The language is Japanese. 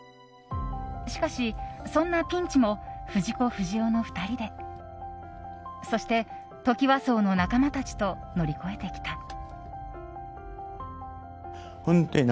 しかし、そんなピンチも藤子不二雄の２人でそして、トキワ荘の仲間たちと乗り越えてきた。